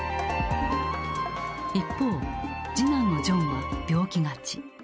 一方次男のジョンは病気がち。